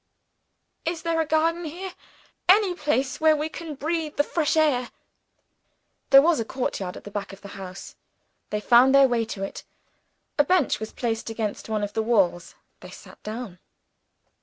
"Is there a garden here? Any place where we can breathe the fresh air?" There was a courtyard at the back of the house. They found their way to it. A bench was placed against one of the walls. They sat down.